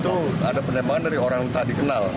itu ada penembakan dari orang yang tadi kenal